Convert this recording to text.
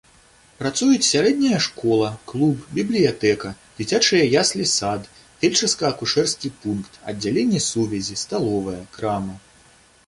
Працуюць сярэдняя школа, клуб, бібліятэка, дзіцячыя яслі-сад, фельчарска-акушэрскі пункт, аддзяленне сувязі, сталовая, крама.